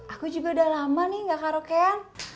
aku juga udah lama nih gak karaokean